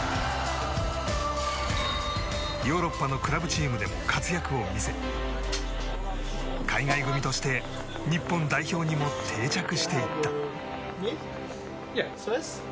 ヨーロッパのクラブチームでも活躍を見せ海外組として日本代表にも定着していった。